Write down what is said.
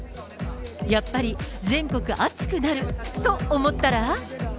やっぱり全国暑くなる、と思ったら。